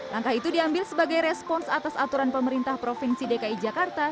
langkah itu diambil sebagai respons atas aturan pemerintah provinsi dki jakarta